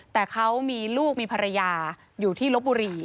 แต่เขามีลูกมีภรรยาอยู่ที่ลบบุรี